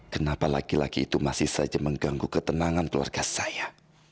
kenapa laki laki itu masih saja mengganggu ketenangan keluarga saya